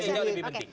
ini yang lebih penting